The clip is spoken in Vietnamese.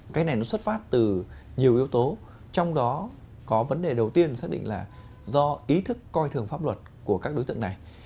cái này nó xuất phát từ nhiều yếu tố trong đó có vấn đề đầu tiên xác định là do ý thức coi thường pháp luật của các đối tượng này